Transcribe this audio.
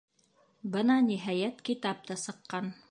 Бына, ниһайәт, китап та сыҡҡан!